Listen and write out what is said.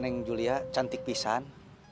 neng julia cantik pisan